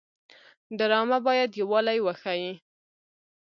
ډرامه باید یووالی وښيي